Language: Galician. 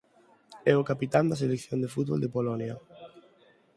É o capitán da Selección de fútbol de Polonia.